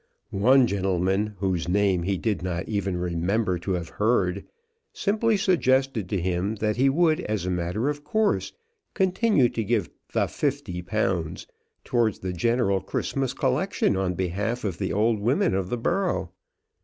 One gentleman, whose name he did not even remember to have heard, simply suggested to him that he would, as a matter of course, continue to give "the £50" towards the general Christmas collection on behalf of the old women of the borough.